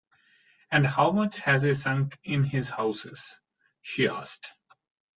“And how much has he sunk in his houses?” she asked.